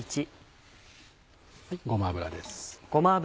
ごま油です。